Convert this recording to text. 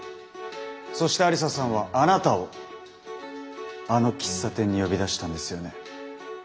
そして愛理沙さんはあなたをあの喫茶店に呼び出したんですよね？